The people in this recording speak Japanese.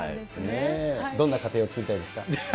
どんな家庭を作りたいですか？